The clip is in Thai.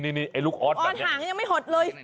นี่ไอ้ลูกออสแบบนี้ออสห่างยังไม่หดเลย